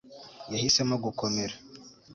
yahisemo gukomera